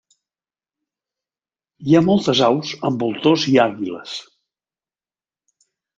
Hi ha moltes aus amb voltors i àguiles.